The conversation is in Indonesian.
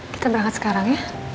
kita berangkat sekarang ya